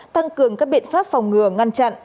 tăng cường các biện pháp phòng ngừa ngăn chặn